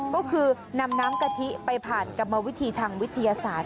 ก็คือนำน้ำกะทิไปผ่านกรรมวิธีทางวิทยาศาสตร์